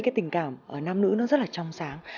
cái tình cảm ở nam nữ nó rất là trong sáng